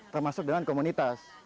termasuk dengan komunitas